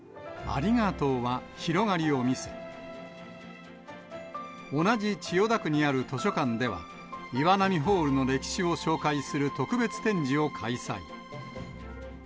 ありがとうは広がりを見せ、同じ千代田区にある図書館では、岩波ホールの歴史を紹介する特別展示を開催。